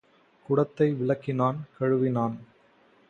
குடத்தை விளக்கினான், கழுவினான்.